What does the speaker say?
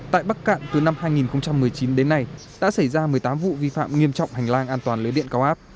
tại bắc cạn từ năm hai nghìn một mươi chín đến nay đã xảy ra một mươi tám vụ vi phạm nghiêm trọng hành lang an toàn lưới điện cao áp